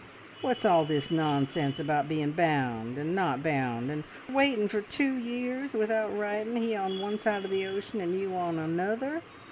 What's all this nonsense about being bound and not bound, and waiting for two years without writing, he on one side of the ocean, and you on another?